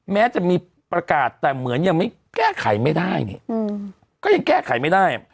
แม้จะมีประกาศแต่เหมือนยังไม่แก้ไขไม่ได้นี่ก็ยังแก้ไขไม่ได้